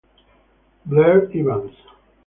Blair Evans